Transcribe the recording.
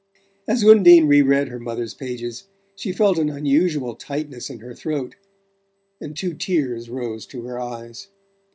As Undine re read her mother's pages, she felt an unusual tightness in her throat and two tears rose to her eyes.